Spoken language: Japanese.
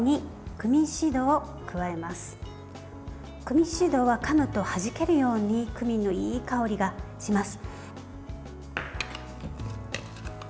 クミンシードはかむと、はじけるようにクミンのいい香りがします。